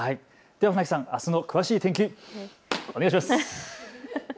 船木さん、あしたの詳しい天気お願いします。